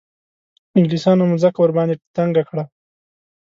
انګلیسیانو مځکه ورباندې تنګه کړه.